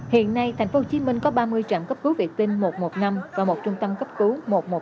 hiện nay tp hcm có ba mươi trạm cấp cứu vệ tinh một trăm một mươi năm và một trung tâm cấp cứu một trăm một mươi một